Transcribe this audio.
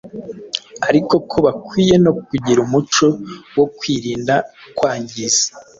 ariko ko bakwiye no kugira umuco wo kwirinda kwangiza